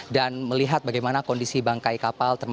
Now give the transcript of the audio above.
dan melihat bagaimana kondisi bangkai kapal